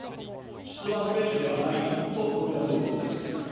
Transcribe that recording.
出馬すべきではないと述べたということです。